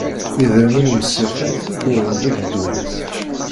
Idrimen umsixen uɣen-d akk ddunit.